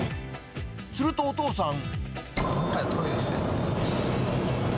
すると、お父さん。